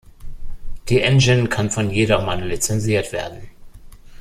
Die Engine kann von jedermann lizenziert werden.